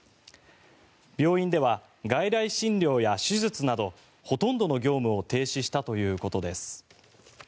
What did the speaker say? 病院では外来診療や手術などほとんどの業務を停止したということです。